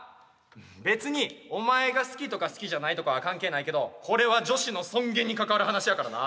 別にお前が好きとか好きじゃないとかは関係ないけどこれは女子の尊厳に関わる話やからな。